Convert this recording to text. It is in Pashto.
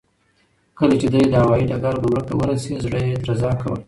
کله چې دی د هوايي ډګر ګمرک ته ورسېد، زړه یې درزا کوله.